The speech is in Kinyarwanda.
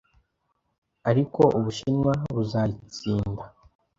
ariko Ubushinwa buzayitsinda